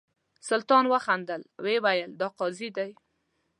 سلطان وخندل او ویل یې دا قاضي دی.